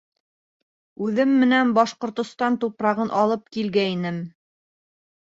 Үҙем менән Башҡортостан тупрағын алып килгәйнем.